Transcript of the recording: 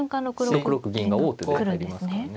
６六銀が王手で入りますからね。